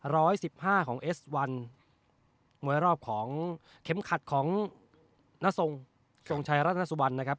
ร้อยสิบห้าของเอสวันมวยรอบของเข็มขัดของนทรงทรงชัยรัฐนาสุวรรณนะครับ